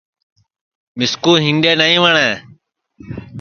مِسکُو ہِینڈؔے نائیں وٹؔیں